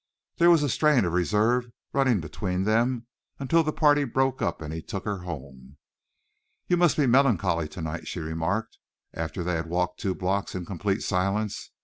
There was a strain of reserve running between them until the party broke up and he took her home. "You must be melancholy tonight," she remarked, after they had walked two blocks in complete silence.